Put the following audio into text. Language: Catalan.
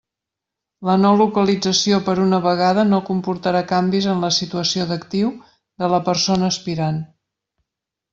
La no localització per una vegada no comportarà canvis en la situació d'actiu de la persona aspirant.